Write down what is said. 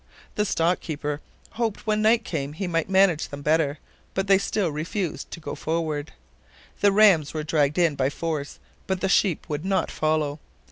The stock keeper hoped when night came he might manage them better, but they still refused to go forward. The rams were dragged in by force, but the sheep would not follow.